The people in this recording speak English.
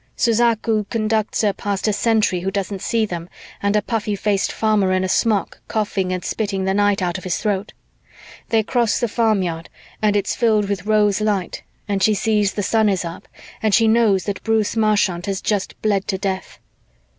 Suzaku conducts her past a sentry who doesn't see them and a puffy faced farmer in a smock coughing and spitting the night out of his throat. They cross the farmyard and it's filled with rose light and she sees the sun is up and she knows that Bruce Marchant has just bled to death.